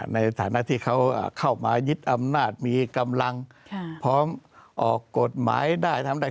ในฐานะที่เขาเข้ามายึดอำนาจมีกำลังพร้อมออกกฎหมายได้ทำได้